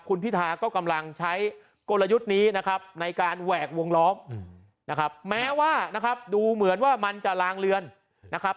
คุณพิธาก็กำลังใช้กลยุทธ์นี้นะครับในการแหวกวงล้อมนะครับแม้ว่านะครับดูเหมือนว่ามันจะลางเรือนนะครับ